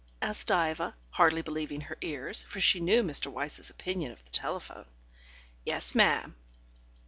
asked Diva, hardly believing her ears, for she knew Mr. Wyse's opinion of the telephone. "Yes, ma'am."